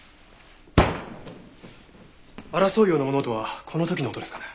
争うような物音はこの時の音ですかね？